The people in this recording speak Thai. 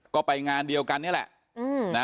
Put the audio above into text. ก็ไปงานเดียวกันนี่แหละ